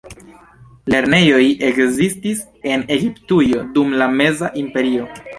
Lernejoj ekzistis en Egiptujo dum la la Meza Imperio.